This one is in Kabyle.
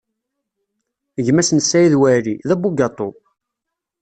Gma-s n Saɛid Waɛli, d abugaṭu.